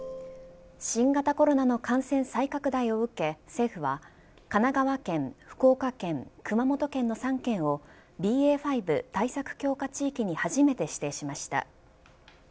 新型コロナの感染再拡大を受け政府は、神奈川県、福岡県熊本県の３県をＢＡ．５対策強化地域に初めて指定しました。